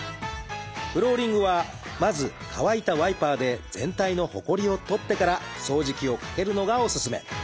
フローリングはまず乾いたワイパーで全体のほこりを取ってから掃除機をかけるのがおすすめ。